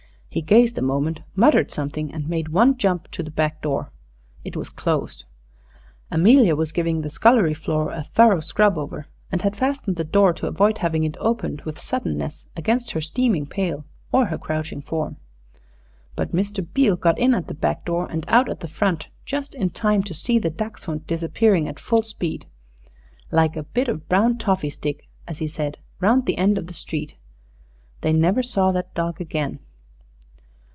He gazed a moment, muttered something, and made one jump to the back door. It was closed. Amelia was giving the scullery floor a "thorough scrub over," and had fastened the door to avoid having it opened with suddenness against her steaming pail or her crouching form. But Mr. Beale got in at the back door and out at the front just in time to see the dachshund disappearing at full speed, "like a bit of brown toffee stick," as he said, round the end of the street. They never saw that dog again.